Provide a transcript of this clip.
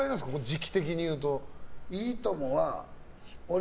時期的にいうと。